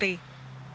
dan menjaga putri